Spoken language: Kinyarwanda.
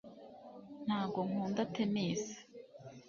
ntabwo nkunda tennis